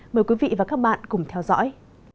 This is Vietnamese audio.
mời quý vị và các bạn cùng theo dõi